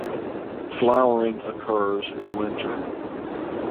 Flowering occurs in winter.